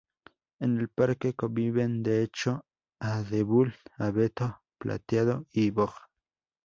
En el parque conviven de hecho: abedul, abeto plateado y boj.